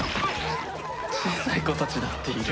小さい子たちだっている。